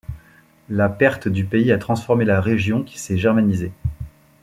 La perte du pays a transformé la région qui s’est germanisée.